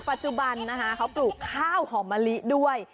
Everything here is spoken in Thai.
ปัจจุบันเขาปลูกข้าวหอมรีด้วย